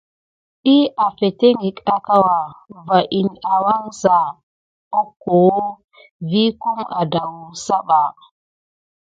Ɗiy afeteŋgək akawa va in awangsa akoko vigue kum edawuza ba.